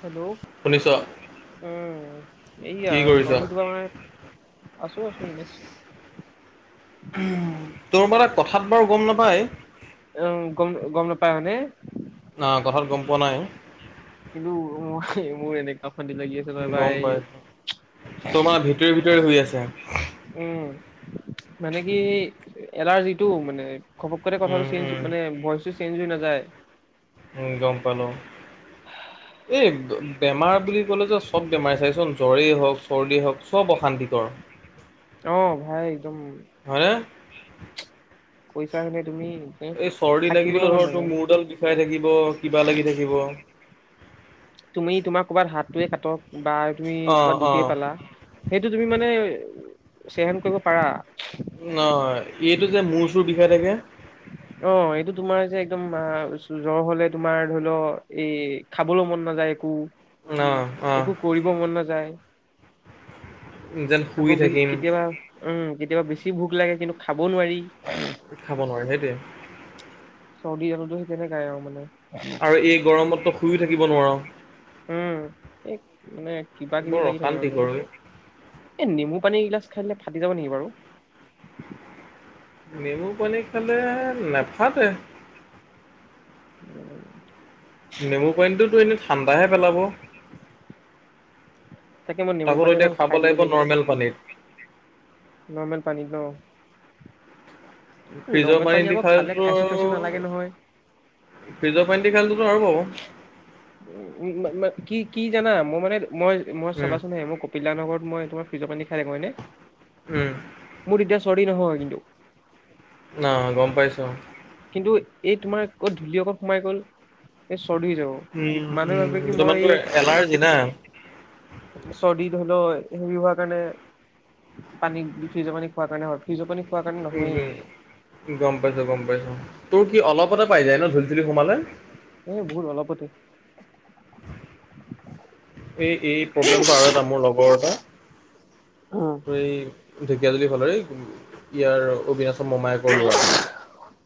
Hello শুনিছ উম এইয়য়া কি কৰিছ চজ্বীৰ দোকানে আছো, আছো এনে আছোঁ। উ তোৰ মানে কথাত বাৰু গম নাপায় অ', গম, গম নাপায় মানে। না কথাত গম পোৱা নাই। কিন্তু মোৰ মোৰ এনেককা ফান্দি লাগি আছে। নহয় গম ভাই পাইছোঁ তোমাৰ ভিতৰি ভিতৰি হু আছে। উম, মানে কি এলাৰ্জিটো মানে খপককে কথাটো উম চেঞ্জ উম মানে ভইচটো চেঞ্জ হৈ নাযায়। গম পালোঁ। [unintelligible] এই বেমাৰ বুলি ক'লে যে চব বেমাৰ চাইচোন জ্বৰেই হওক চৰ্দী হওক চব অশান্তিকৰ। অ', ভাই একদম। হে। পইচাখে তুমি। এ এই চৰ্দি থাকিবলৈ লাগিলেও মন ধৰ তোৰ নাযায় মূৰডাল বিষাই থাকিব কিবা লাগি থাকিব। তুমি তোমাৰ ক'বাত হাতটোৱে কাটক বা তুমি অ ক'ৰবাত অ দুপে পালা সেইটো তুমি মানে চেহেন কৰিব পাৰা। ন এইটো যে মোৰ চুৰ বিষায় থাকে। উ। অ', এইটো তোমাৰ যে একদম জ্বৰ হলে তোমাৰ ধৰি লও এই খাবলৈ মন নাযায় একো। অ'। একো কৰিব মন নাযায় যেন শুই আকৌ থাকিম কেতিয়াবা উম, কেতিয়াবা বেছি ভোক লাগে কিন্তু খাব নোৱাৰি। খাব নোৱাৰে সেইটোৱে। চৰ্দি আলতো সেই তেনেকাই আৰু মানে। আৰু এই গৰমত শুইয়ো থাকিব নোৱাৰ। উম, এই মানে কিবা কিবি বৰ লাগি থাকে অশান্তি মানে। কৰে এ নমু পানী এগিলাছ খালে ফাটি যাব নেকি বাৰু? নেমু পানী খালে নেফাতে। উম। নেমু পানীটোতো এনেই ঠাণ্ডাহে পেলাব। তাকে মই নেমু তাকো পানী এতিয়া অকণ খাব খাই দিব লাগিব নৰ্মেল পানীত। নৰ্মেল পানিত ন? ফ্ৰিজৰ নৰ্মেল পানী দি আকৌ খালেটো খালে খাইছো খাইছো তোৰ নালাগে আৰু নহয় ফ্ৰিজৰ পানী খালোতো আৰু পাব। উ কি কি জানা মই মানে মই মই উম চাবাচোন হে মই ক পিল দা হতৰ ঘৰত মই তোাৰ ফ্ৰীজৰ পানী খাই থাকোঁ হয়নে। উম। মোৰ তেতিয়া চৰ্দি নহয় কিন্তু। অঁ', গম পাইছো কিন্তু এই তোমাৰ অত ধূলি অকন সোমাই গ'ল এই চৰ্দি হৈ যাব। উম, মানুহে উম, ভাবে কি এইটো মই মানে এই তোৰ এলাৰ্জি না। চৰ্দি ধৰিল' হেৰি হোৱাৰ কাৰণে পানী ফ্ৰীজৰ পানি খোৱা কাৰণে হয়। ফ্ৰীজৰ পানী খোৱাৰ কাৰণে উম নহয়েই। গম পাইছো গম পাইছো তোৰ কি অলপতে পাই যায় চুলি চুলি সোমালে? এ বহুত অলপতে। এই এই প্ৰব্লেমটো আৰু এটা মোৰ লগৰ এটা উম এই ঢেকীয়াজুলিৰ ফালৰে ইয়াৰ অবিনাশৰ মোমায়েকৰ ল'ৰা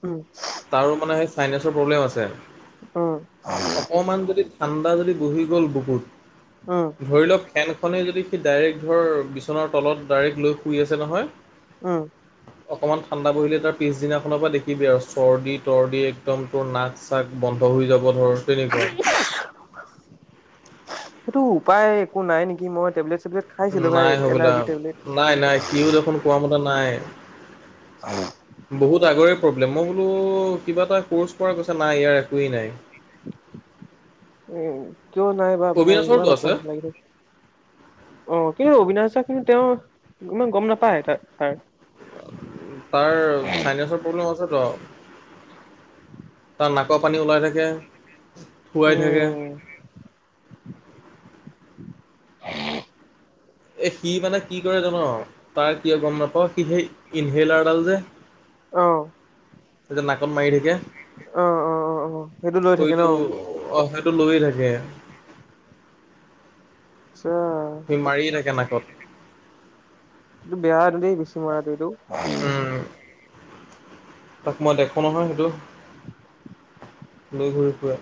উম। তাৰো মানে সেই চাইনেছৰ প্ৰব্লেম আছে। উম। অকমান যদি ঠাণ্ডা যদি বহি গ'ল বকুত। উম। ধৰি লওক ফেনখনেই যদি সি ডাইৰেক্ট ধৰ বিচনাৰ তলত ডাইৰেক্ট লৈ শুই আছে নহয়। উম। অকণমান ঠাণ্ডা বহিলে তাৰ পিছদিনাখনৰ পৰা দেখিবি আৰু চৰ্দি তৰ্দি একদম তোৰ নাক চাক বন্ধ হৈ যাব ধৰ তেনেকুৱা। সেইটো উপায় একো নাই নেকি মই টেবলেট চেবলেট খাইছিলো ভাই নাই হ'বলা এলাৰ্জি টেবলেট। নাই নাই সিও দেখোন কোৱা মতে নাই। [inaudible] বহুত আগৰেই প্ৰব্লেম মই বোলো কিবা এটা ক'ৰ্চ কৰা কৈছ নাই ইয়াৰ একোৱেই নাই। এ কিয় নাই বা ভাই ইমান অবিনাশৰটো আছে অশান্তি লাগি থাকে। অ', কিন্তু অবিনাশা দাৰ কিন্তু তেওঁ ইমান গম নাপায় তাৰ। [inaudible] তাৰ চাইনেছৰ প্ৰব্লেম আছেটো তাৰ নাকৰ পানী ওলাই থাকে। থুৱাই থাকে। উম এই সি মানে কি কৰে জান তাৰ কিয় গম নাপাওঁ সি সেই ইনহেলাৰডাল যে অ'। এই যে নাকত মাৰি থাকে অ অ অ অ লৈ থাকে সেইটো ন। অ সেইটো লৈয়ে থাকে উ সি মাৰিয়ে থাকে নাকত এইটো বেয়া আদুলি দিছোঁ মই ৰাতিটো। তাক মই দেখোঁ নহয় সেইটো এনেই ঘূৰি ফুৰে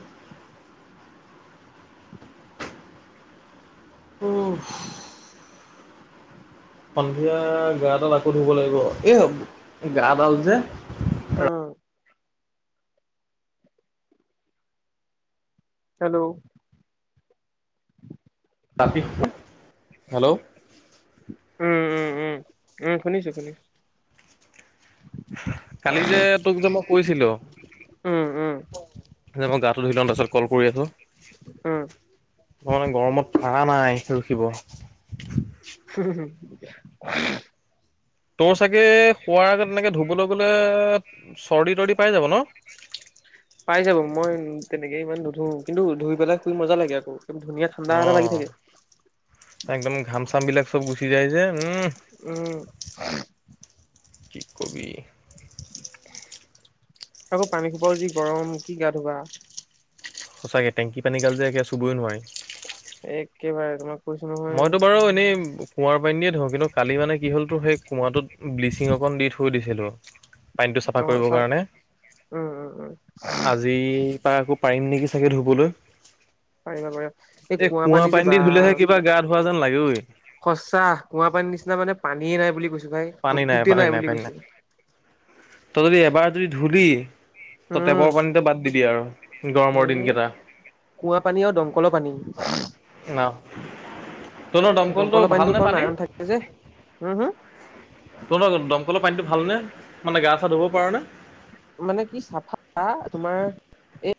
উম সন্ধিয়া গা এডাল আকৌ ধুব লাগিব এ গা এডাল যে অ হেল্ল' ৰা হেল্ল' উম উম উম উম শুনিছো শুনিছো কালি যে তোক যে মই কৈছিলোঁ। উম উম যে মই গাটো ধু লওঁ তাৰপছত কল কৰি আছোঁ। উ মই মানে গৰমত পাৰা নাই ৰখিব। শুু তোৰ চাগে শোৱাৰ আগত এনেকৈ ধুবলৈ গ'লে চৰ্দি তৰ্দি পাই যাব ন। পাই যাব। মই তেনেকে ইমান নুধো কিন্তু ধুই পেলাই শুই মজা লাগে আকৌ 'অ'। একদম ধুনীয়া ঠাণ্ডা এটা লাগি অ থাকে। একদম, ঘাম চাম বিলাক চব গুচি যাই যে উম'। উম কি কবি। আকৌ পানী খোপাও যি গৰম কি গা ধুৱা। সঁচাকৈ, টেকি পানী গাল যে একেবাৰে চুবই নোৱাৰি। একেবাৰে তোমাক। কৈছো নহয় মইতো বাৰু এনেই, কুঁৱাৰ পানী দিয়ে ধৰো কিন্তু কালি মানে কি হ'ল তোৰ সেই কুঁৱাটোত ব্লিচিং অকণ দি থৈ দিছিলোঁ [unintelligible] পানীটো চাফা অ কৰিব চা কাৰনে উম উম উম আজিৰ পা আকৌ পাৰিম নেকি চাগে ধুবলৈ। পাৰিবা পাৰিবা। এই কুঁৱা পানী যে বা, গা ধোৱা যেন লাগেঐ। সঁচা কুঁৱ পানীৰ নিচিনা মানে পানীয়ে নাই বুলি কৈছো ভাই কতোতে নাই বুলি কৈছো তই যদি এবাৰ যদি ধূলি তই টেপৰ পানীত বাদ দিবি আৰু গৰমৰ এ দিনকেইটা কুঁৱা পানী আৰু দমকলৰ পানী। ন, তহতৰ দমকলটো দমকলৰ পানীটো ভাল নে কাৰণ পানী আইৰণ যে, হম হুম। তুহোতৰ দমকলৰ পানীটো ভাল নে। মানে গা চা ধুব পাৰ নে। মানে কি চাফা তোমাৰ এ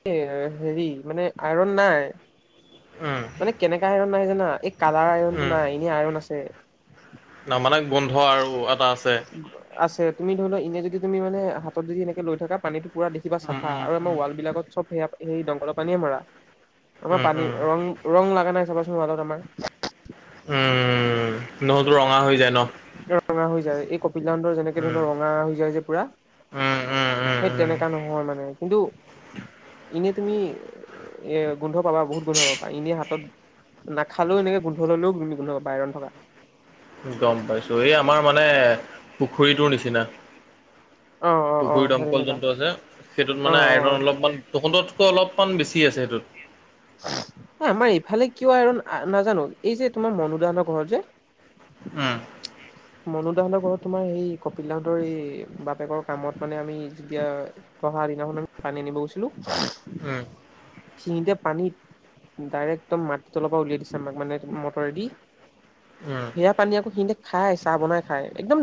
হেৰি মানে আইৰন নাই। উম' মানে কেনেকা আইৰণ নাই জানা। এই কালাৰ আইৰনটো নাই, এনেই আইৰণ আছে। ন মানে গোন্ধ আৰু এটা আছে। আছে। তুমি ধৰি লোৱা এনে যদি তুমি মানে হাতত যদি এনেকে লৈ থাকা পানীটো, পুৰা দেখিবা উম চাফা উম উম আৰু আমাৰ ৱাল বিলাকত চব সেয়া সেই দমকলৰ পানীয়ে মৰা আমাৰ উম পানীৰ উম ৰং, ৰং লগা নাই চাবাচোন ওয়ালত আমাৰ। উম 'নহয়তো ৰঙা হৈ যায় ন। ৰঙা হৈ যায় এই কপিলাডৰ যেনেকে উম ধৰৰ ৰঙা হৈ যায় যে পুৰা উম উম উম সেই তেনেকুৱা নহয় মানে, কিন্তু এনে তুমি এ গোন্ধ পাবা বহুত গোন্ধ পাবা এনেই হাতত নাখালেও এনেকে গোন্ধ ললেও তুমি গোন্ধ পাবা আইৰণ থাকা গম পাইছো, এই আমাৰ মানে পুখুৰীটোৰ নিচিনা। অ অ অ পুখুৰী সেই দমকল তেনেকা যোনটো আছে সেইটোত অ মানে অ আইৰন অলপমান তহঁততকৈ অলপমান বেছি আছে সেইটোত। আমাৰ ইফালে কিয় আইৰণ নাজানো, এই যে তোমাৰ মনো দানৰ ঘৰত যে উম মনো দাহঁতৰ ঘৰত তোমাৰ সেই কপিল দাহঁতৰ এই বাপেকৰ কামত মানে আমি যেতিয়া দহা দিনাখন আ [unintelligible] পানী আনিব গৈছিলোঁ উম। খিতে [unintelligible] পানীত ডাইৰেক্ট একদম মাটিৰ তলৰ পৰা উলিয়াই দিছে আমাক মানে মটৰেদি সেয়া পানী আকৌ সিহঁতে খাই চাহ বনাই খাই, একদম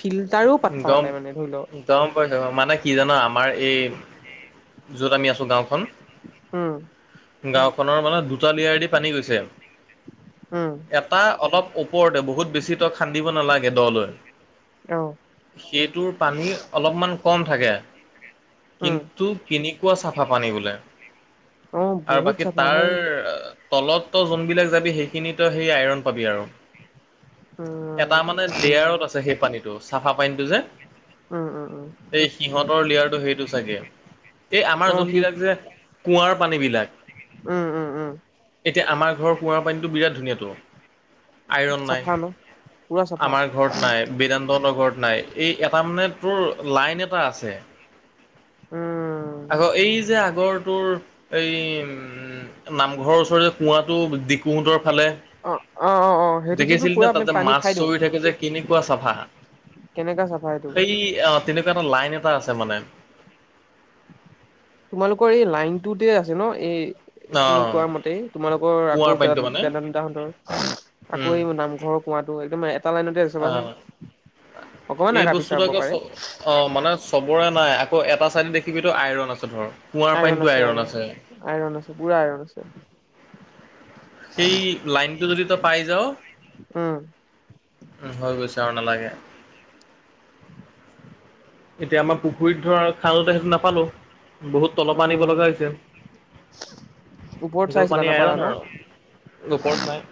ফিল্টাৰো উম পাত্তা গম নাপায় মানে ধৰি ল'। গম পাইছোঁ, মানে কি জানো আমাৰ এই য'ত আমি আছোঁ গাওঁখন উম। গাঁওখনৰ মানে দুটা লিয়াৰ দি পানী গৈছে, উম এ টা অলপ ওপৰতে বহুত বেছি তই খান্দিব নালাগে দলৈ অ'। সেইটোৰ পানী অলপমান কম থাকে, উম কিন্ত তোৰ কেনেকুৱা চাফা পানী বোলে। অ আৰু বহুত বাকী চাফা তাৰ ভাই তলত তই যোনবিলাক যাবি সেইখিনিতো সেই আইৰণ পাবি আৰু। এটা উম মানে লেয়াৰত আছে সেই পানীতটো চাফা পানীতটো যে। উ, উ। এই সিহঁতৰ লেয়াৰটো সেইটো চাগে, এই অ আমাৰ সি যোনবিলাক যে কুঁৱাৰ পানীবিলাক, উম উম উম এতিয়া আমাৰ ঘৰৰ কুঁৱাৰ পানীটো বিৰাট ধুনীয়াটো। আইৰণ নাই, চাফা ন পুৰা চাফা আমাৰ ঘৰত নাই। বেদান্তহতঁৰ ঘৰত নাই, এই এটা মানে তোৰ লাইন এটা আছে। উম আকৌ এই যে আগৰ তোৰ এই নামঘৰৰ ওচৰৰ যে কুঁৱাটো দিকুহঁতৰ ফালে অ অ অ অ সেইটোতো দেখিছিল পুৰা তে, তাতে পানী মাছ খাই দিওঁ চৰি থাকে যে কেনেকুৱা চাফা। কেনেকা চাফা এইটো। সেই অ', তেনেকুৱা এটা লাইন এটা আছে মানে। তোমালোকৰ এই লাইনটোতে আছে ন' এই অ তুমি কোৱা মতেই, তোমালোকৰ কুঁৱাৰ আকৌ পানীটো তাত মানে বেদানতাহঁতৰ আকৌ উম এই নামঘৰৰ কোঁৱাটো একদম এটা লাইনতে আছে অ চাবাচোন, অকমান এই আগা পিছাৰ বস্তুটো হ'ব আকৌ চ পাৰে। অ', মানে চবৰে নাই, আকৌ এটা চাইডে দেখিবিটো আইৰণ আছে ধৰ কুঁৱাৰ পানীতো আইৰণ আছে। আইৰণ আছে পুৰা আইৰণ আছে। সেই লাইনটো যদি তই পাই যাাৱ উম হৈ গৈছে আৰু নালাগে। এতিয়া আমাৰ পুখুৰীত ধৰ খালোতে সেইটো নাপালো। বহুত তল পৰা আনিব উম লগা হৈছে, ওপৰত সেইগাল চাইছিলা পানী নাপালা আইৰণ ন আৰু। ওপৰত নাই।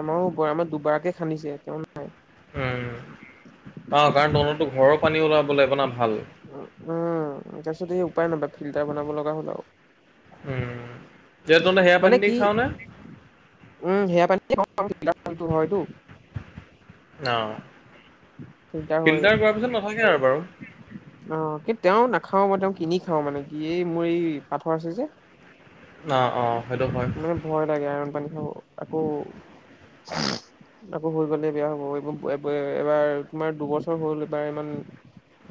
আমাৰো [unintelligible] আমাৰ দুবাৰকে খান্দিছে তেওঁ উম, অ', কাৰণ তহঁতটো ঘৰৰ পানী ওলাব লাগিব ন' ভাল। উম। তাৰ পিছত এই উপায় নাপাই ফিল্টাৰ বনাব লগা হ'ল আৰু। উম, তে তহঁতে সেয়া পানী মানে দি কি খাৱ নে? উম সেয়া [unintelligible] পানী হয়তো অ', ফিল্টাৰ কৰাৰ পিছত নাথাকে আৰু বাৰু। অ', কি তেওঁ নাখাওঁ মই তেওঁ কিনি খাওঁ মানে কি এই মোৰ এই পাথৰ আছে যে। অ' অ' সেইটো হয়। মানে ভয় লাগে আইৰন পানী খাব। আকৌ, আকৌ হৈ গ'লে বেয়া হ'ব এইব এবাৰ তোমাৰ দুবছৰ হল এইবাৰ ইমান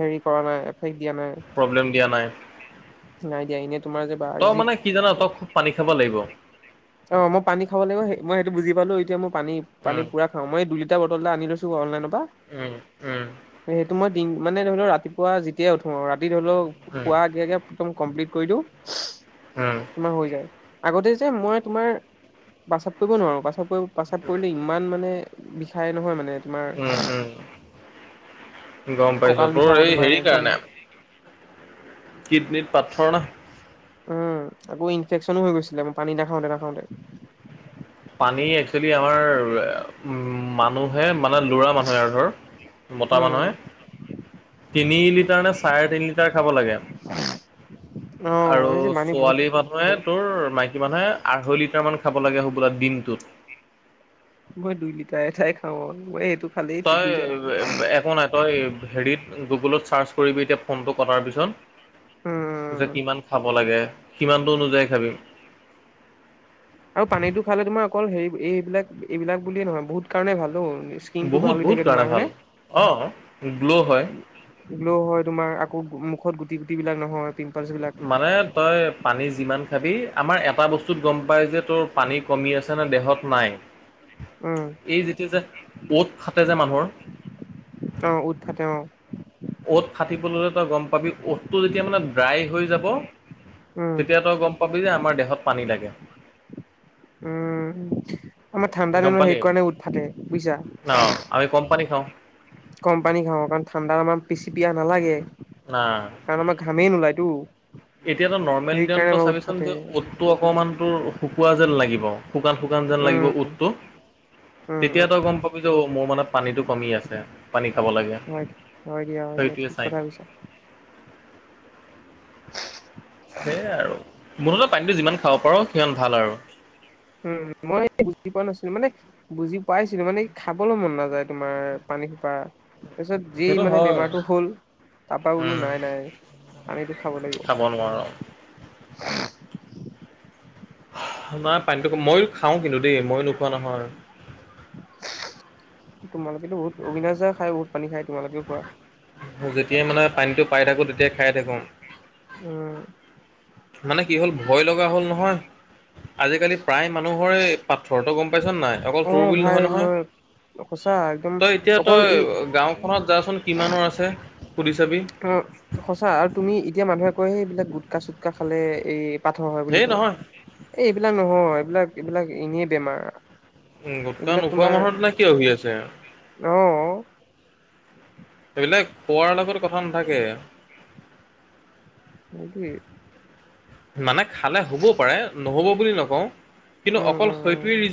হেৰি কৰা নাই। শেষ দিয়া নাই প্ৰব্লেম দিয়া নাই নাই দিয়া এনেই তোমাৰ যে। বা তই যি মানে কি জানা তই খুব পানী খাব লাগিব। অ, মই পানী খাব লাগিব মই সেইটো বুজি পালো এতিয়া মই পানী পানী উম, পুৰা অ, মই এই দুইিটা বটল এটা আনি লৈছো অনলাইনৰ পৰা। উম, উম, সেইটো মই দিন মানে ধৰি লও ৰাতিপুৱা যেতিয়াই উঠো আৰু ৰাতি ধৰি লও উম, খুৱা আগে আগে। একদম কমপ্লিট কৰি দিওঁ। উম, তোমাৰ হৈ যায় আগতে যে মই তোমাৰ পেচাপ কৰিব নোৱাৰো পেচাপ কৰিব। প্ৰসাদ পৰিলে ইমান মানে বিষাই নহয় মানে। তোমাৰ উম, উম, গম, কঁকাল পাইছোঁ বিষাব তোৰ এই তোমাৰ হেৰি একদম কাৰণে। কিডনিত পা্থৰ ন। উম, আকৌ ইনফেকশচনো হৈ গৈছিলে ম পানী নাখাওতে নাখাওতে। পানী একচুৱেলি আমাৰ মানুহ। মানুহে মানে ল'ৰা মানুহে আৰু ধৰ মতা উম মানুহে। তিনি লিটাৰ নে চাৰে তিনি লিটাৰ খাব লাগে। অ আৰু আমি যে পানী বহুত ছোৱালী মানুহে। তোৰ মাইকী মানুহে আঢ়ৈ লিটাৰ মান খাব লাগে সুবোলা দিনটোত। মই দুই লিটাই এঠাই খাওঁ মই এইটো। তই একো নাই তই হেৰিত। গুগলত চাৰ্চ কৰিবি এতিয়া ফোনটো কটাৰ পিছত যে উম কিমান খাব লাগে। কিমানটো অনুযায়ী খাবি। আৰু পানীটো খালে তোমাৰ অকল হেৰি এইবিলাক এইবিলাক বুলিয়ে নহয় বহুত কাৰণে ভালো। বহুত বহুত কাৰণে ভাল অ, গ্ল' হয়। বোলোও হয় তোমাৰ আকৌ মুখত গুটি গুটি বিলাক নহয়। পি্পলছবিলাক। মানে তই। পানী যিমান খাবি আমাৰ এটা বস্তুত গম পায় যে তোৰ পানী কমি আছেনে দেহত নাই। উম এই যেতিয়া যে ক'ত খাাটে যে মানুহৰ। অ, উতফাতে অ। 'ট ফাটিবলৈলৈ তই গম পাবি 'টটো যেতিয়া মানে ড্ৰাই হৈ যাব। উম তেতিয়া তই গম পাবি যে আমাৰ দেহত পানী লাগে। উম, আমাৰ ঠাণ্ডা গম দিনত পালি সেই কাৰণে উটফাটে বুজিছা। অ আমি কম পানী খাওঁ। কম পানী খাওঁ কাৰণ ঠাণ্ডা আমমান পিচি পিয়া নালাগে। ন [unintelligible] কাৰণ আমাৰ ঘামেই নোলায়তো। এতিয়াতো নৰ্মেল সেইকাৰণে দিনতো আমাৰ উৎ চাবিচোন ফাটে যে উ'তটো অকণমানতোৰ শুকোৱা জেল লাগিব। শুকান শুকান যেন উম লাগিব উটটো। তেতিয়া তই গম পাবি যে অ, মোৰ মনত পানীতটো কমি আছে পানী খাব লাগে। হয় হয় দিয়া দিয়া সেইটোৱে ঠিক চাইন কথা। [inaudible] সেয়াই আৰু মুঠতে পানীটো যিমান খাব পাৰো সিমান ভাল আৰু। উম, মই বুজি পোৱা নাছিলো মানে। বুজি পাইছিলো মানে খাবলৈ মন নাযায় তোমাৰ পানীসোপা। তাৰপিছত যি সেইটো মানে হয়। বেমাৰতটো হ'ল তাৰ পৰা বোলো উম, নাই নাই পানীটো খাব লাগিব। খাব নোৱাৰোঁ। [unintelligible] নাই পানীটো মই খাওঁ কিন্তু দেই, ময়ো নোখোৱা নহয়। তোমালোকেতো বহুত অবিনাশ দা খাই বহুত পানী খায়, তোমালোকেও খোৱা। যেতিয়াই মানে পানীটো পাই থাকো, তেতিয়াই খাই থাকো। উম। মানে কি হ'ল ভয় লগা হ'ল নহয়। আজিকালি প্ৰায় মানুহৰে পাথৰ তই গ'ম পাইছনে নাই? অকল অ তোৰ বুলি ভাই নহয় নহয়। মই সঁচা একদম তই এতিয়া অকল তই এই গাওঁখনত যাচোন কিমানৰ আছে সুধি চাবি। অ' সঁচা আৰু তুমি এতিয়া মানুহে কয় সেই এইবিলাক গুটকা চুটকা খালে এই পাথৰ হয় বুলি হেই কয়। নহয়। এই এইবিলাক নহয় এইবিলাক এইবিলাক এনেই বেমাৰ। উম, গোটকা এইবিলাক নোখোৱা তোমাৰ মানুহেনো কিয় হৈ আছে? অ এইবিলাক কোৱাৰ লগত কথা নাথাকে। সেইটোৱেই। মানে খালে হ'বও পাৰে নহ'ব বুলি নকওঁ কিন্তু উম অকল উম উম সেইটোৱেই ৰিজ